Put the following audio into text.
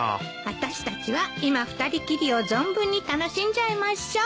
あたしたちは今二人きりを存分に楽しんじゃいましょ。